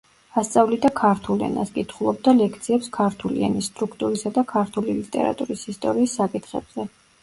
ასწავლიდა ქართულ ენას, კითხულობდა ლექციებს ქართული ენის სტრუქტურისა და ქართული ლიტერატურის ისტორიის საკითხებზე.